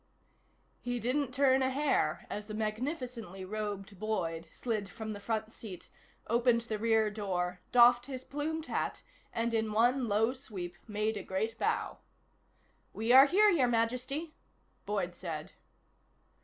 He didn't turn a hair as the magnificently robed Boyd slid from the front seat, opened the rear door, doffed his plumed hat, and in one low sweep made a great bow. "We are here, Your Majesty," Boyd said.